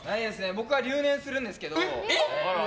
僕は留年するんですけど。